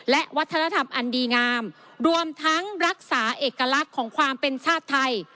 และวัฒนธรรมอันดีงามรวมทั้งรักษาเอกลักษณ์ของความเป็นชาติไทย